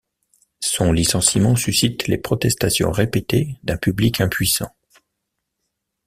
Son licenciement suscite les protestations répétées d'un public impuissant.